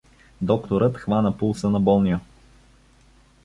Докторът хвана пулса на болния.